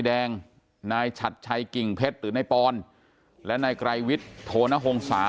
แดงนายฉัดชัยกิ่งเพ็ชหรือในปอนและในกรายวิทโโนหงษร